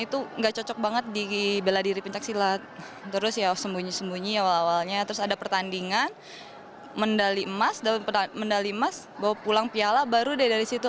ia berhasil meraih medali emas pada sea games dua ribu lima belas